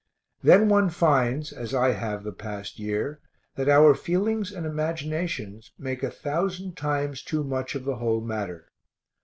Then one finds, as I have the past year, that our feelings and imaginations make a thousand times too much of the whole matter.